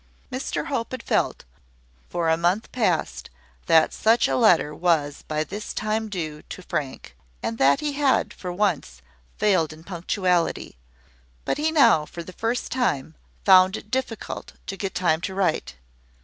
Mr Hope had felt, for a month past, that such a letter was by this time due to Frank, and that he had, for once, failed in punctuality: but he now, for the first time, found it difficult to get time to write.